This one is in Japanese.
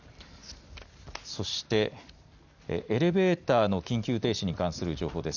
そしてエレベーターの緊急停止に関する情報です。